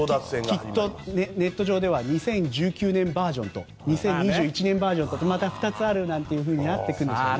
きっとネット上では２０１９年バージョンと２０２１年バージョンと２つあるというふうにもなってくるんでしょうね。